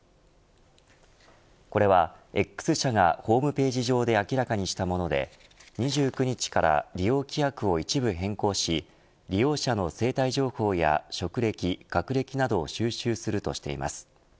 これは、Ｘ社がホームページ上で明らかにしたもので２９日から利用規約を一部変更し利用者の生体情報や職歴、学歴など収集するとしています。